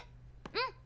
うん。